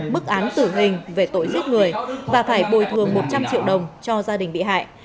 mức án tử hình về tội giết người và phải bồi thường một trăm linh triệu đồng cho gia đình bị hại